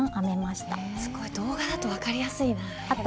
すごい動画だと分かりやすいなぁ。